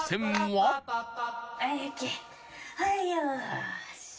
はいよーし